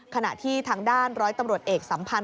ขณะที่ทางด้านร้อยตำรวจเอกสัมพันธ